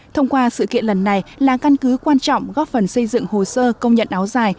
thông qua sự kiện lần này là căn cứ quan trọng góp phần xây dựng hồ sơ công nhận áo dài